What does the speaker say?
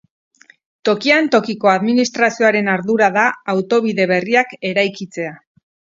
Tokian tokiko administrazioaren ardura da autobide berriak eraikitzea.